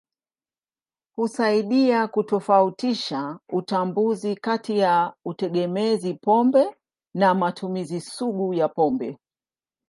Husaidia kutofautisha utambuzi kati ya utegemezi pombe na matumizi sugu ya pombe.